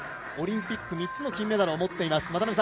オリンピック、３つの金メダルを持っています。